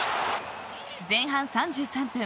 前半３３分